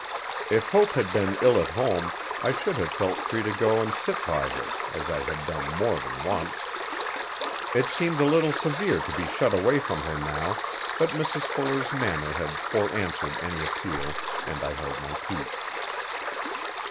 If Hope had been ill at home I should have felt free to go and sit by her as I had done more than once. It seemed a little severe to be shut away from her now but Mrs Fuller's manner had fore answered any appeal and I held my peace.